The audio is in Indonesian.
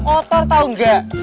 otor tau nggak